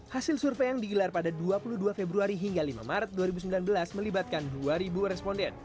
hasil survei yang digelar pada dua puluh dua februari hingga lima maret dua ribu sembilan belas melibatkan dua responden